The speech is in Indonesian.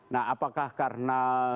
nah apakah karena